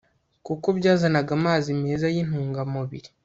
kuko byazanaga amazi meza yintungamubiri